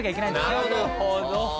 なるほど。